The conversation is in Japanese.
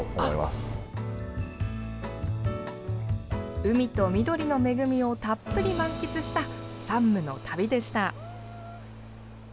海と緑の恵みをたっぷり満喫した山武の旅でした。